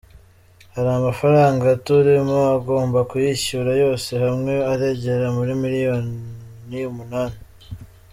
Hari amafaranga aturimo agomba kuyishyura, yose hamwe aragera muri miyoni umunani”.